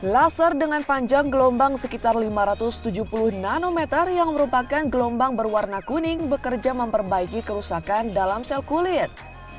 laser dengan panjang gelombang sekitar lima ratus tujuh puluh nanometer yang merupakan gelombang berwarna kuning bekerja memperbaiki kerusakan dalam sel kulit